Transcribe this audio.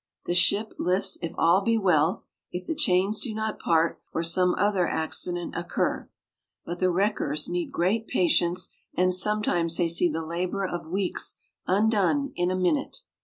The ship lifts if all be well if the chains do not part, or some other accident occur; but the wreckers need great patience, and sometimes they see the labor of weeks undone in a minute.